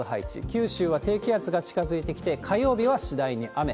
九州は低気圧が近づいてきて、火曜日は次第に雨。